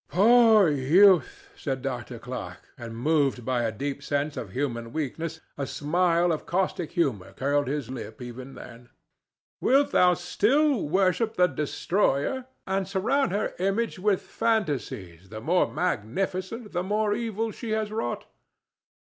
"Poor youth!" said Dr. Clarke, and, moved by a deep sense of human weakness, a smile of caustic humor curled his lip even then. "Wilt thou still worship the destroyer and surround her image with fantasies the more magnificent the more evil she has wrought?